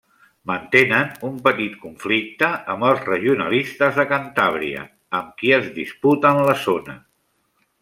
Mantenen un petit conflicte amb els regionalistes de Cantàbria, amb qui es disputen la zona.